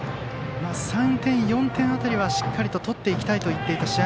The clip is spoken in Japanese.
３点、４点辺りはしっかり取っていきたいと言っていた試合